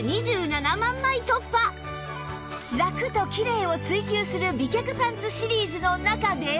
「ラク」と「キレイ」を追求する美脚パンツシリーズの中で